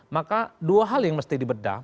maka dua hal yang mesti dibedah